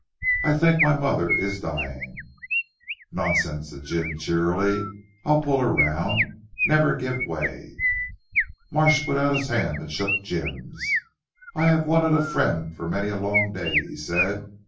I think my mother is dying." "Nonsense," said Dr. Jim cheerily, "I'll pull her round. Never give way." Marsh put out his hand and shook Jim's. "I have wanted a friend for many a long day," he said.